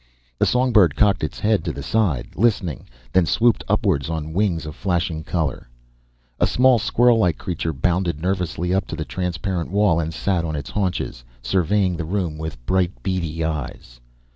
The songbird cocked its head to the side, listening, then swooped upward on wings of flashing color. A small squirrellike creature bounded nervously up to the transparent wall and sat on its haunches, surveying the room with bright beady eyes.